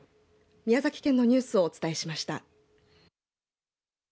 宮崎県のニュースをお伝えしました。